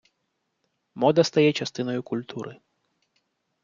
Мода стає частиною культури.